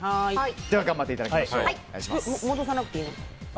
では頑張っていただきましょう。